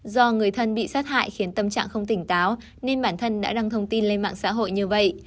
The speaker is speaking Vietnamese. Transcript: do người thân bị sát hại khiến tâm trạng không tỉnh táo nên bản thân đã đăng thông tin lên mạng xã hội như vậy